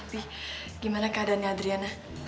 bi gimana keadaan adriana